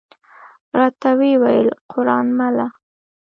راته وې ویل: قران مله!